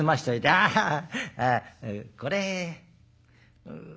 「ああこれ。